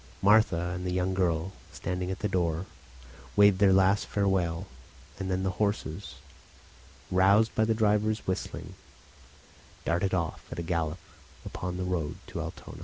Martha and the young girl, standing at the door, waved their last farewell. Then the horses, roused by the driver's whistling, darted off at a gallop on the road to Altona.